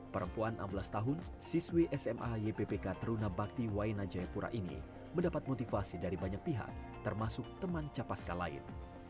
perempuan enam belas tahun siswi sma yppk teruna bakti waina jayapura ini mendapat motivasi dari banyak pihak termasuk teman capaska lain